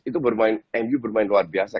itu bermain mu bermain luar biasa